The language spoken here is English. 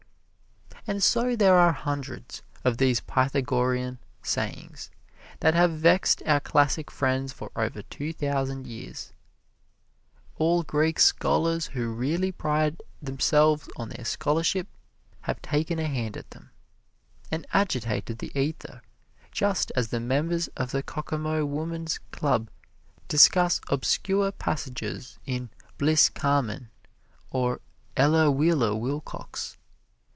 And so there are hundreds of these Pythagorean sayings that have vexed our classic friends for over two thousand years. All Greek scholars who really pride themselves on their scholarship have taken a hand at them, and agitated the ether just as the members of the Kokomo Woman's Club discuss obscure passages in Bliss Carman or Ella Wheeler Wilcox.